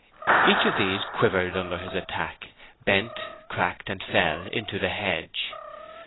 Each of these quivered under his attack, bent, cracked, and fell into the hedge.